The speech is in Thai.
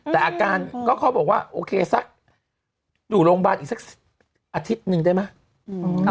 แต่อาการก็เขาบอกว่าโอเคสักอยู่โรงพยาบาลอีกสักอาทิตย์หนึ่งได้ไหม